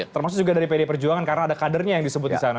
termasuk juga dari pd perjuangan karena ada kadernya yang disebut di sana